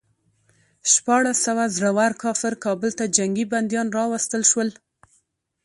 شپاړس سوه زړه ور کافر کابل ته جنګي بندیان راوستل شول.